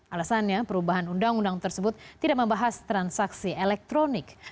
alasannya perubahan undang undang tersebut tidak membahas transaksi elektronik